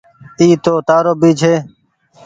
اي تو تآرو ڀي ڇي۔